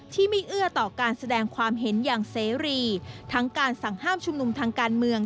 ที่ไม่เอื้อต่อการแสดงความเห็นอย่างเสรีทั้งการสั่งห้ามชุมนุมทางการเมือง